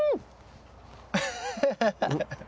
アハハハッ。